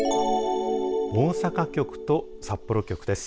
大阪局と札幌局です。